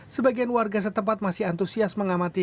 sebagian warga setempat masih antusias mengamati